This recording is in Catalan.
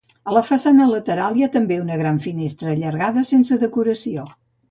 A la façana lateral hi ha també una gran finestra allargada sense decoració.